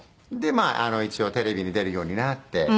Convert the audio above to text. まあ一応テレビに出るようになって。